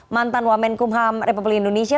mantan wamen kumham republik indonesia